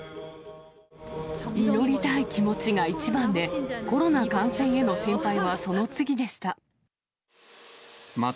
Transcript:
祈りたい気持ちが一番で、コロナ感染への心配はその次でした。